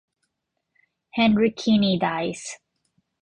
Henry Kinney dies.